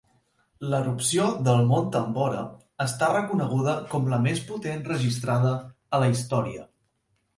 L'erupció del Mont Tambora està reconeguda com la més potent registrada a la història.